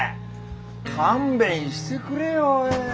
勘弁してくれよ！